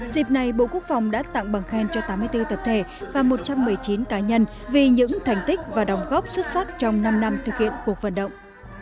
dịp này bộ quốc phòng đã tặng bằng khen cho tám mươi bốn tập thể và một trăm một mươi chín cá nhân vì những thành tích và đồng góp xuất sắc trong năm năm thực hiện cuộc vận động